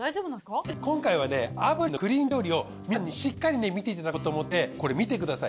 はい今回はね炙輪のクリーン調理を皆さんにしっかりね見ていただこうと思ってこれ見てください。